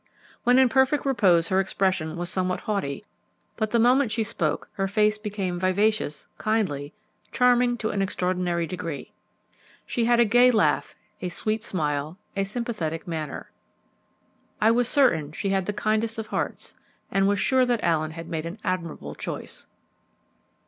When in perfect repose her expression was somewhat haughty; but the moment she spoke her face became vivacious, kindly, charming to an extraordinary degree; she had a gay laugh, a sweet smile, a sympathetic manner. I was certain she had the kindest of hearts, and was sure that Allen had made an admirable choice.